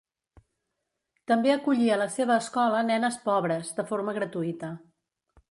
També acollí a la seva escola nenes pobres de forma gratuïta.